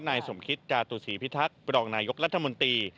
นายสมคิตจาตุศีพิทักษ์บรองนายกรัฐมนตรี